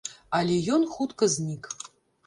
Але ён хутка знік.